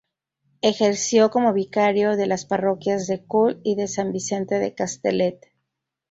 Ejerció como vicario de las parroquias de Coll y de San Vicente de Castellet.